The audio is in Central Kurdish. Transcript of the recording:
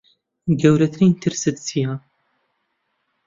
گەورەترین ترست چییە؟